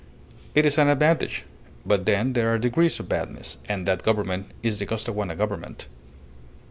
It is an advantage; but then there are degrees of badness, and that Government is the Costaguana Government."